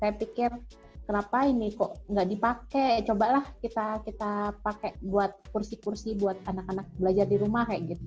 saya pikir kenapa ini kok nggak dipakai cobalah kita pakai buat kursi kursi buat anak anak belajar di rumah kayak gitu